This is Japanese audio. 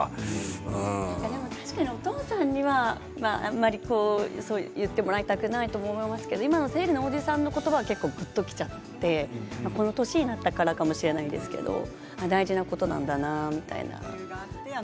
確かにお父さんにはあまり言ってもらいたくないなと思いますけれど、今の生理のおじさんの言葉はぐっときちゃってこの年になったからかもしれないですけれど大事なことなんだなって。